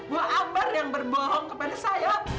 buah ambar yang berbohong kepada saya